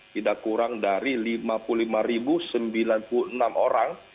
tidak kurang dari lima puluh lima sembilan puluh enam orang